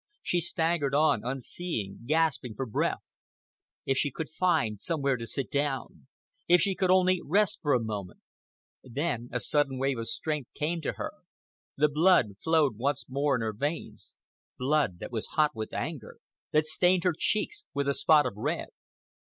She staggered on, unseeing, gasping for breath. If she could find somewhere to sit down! If she could only rest for a moment! Then a sudden wave of strength came to her, the blood flowed once more in her veins—blood that was hot with anger, that stained her cheeks with a spot of red.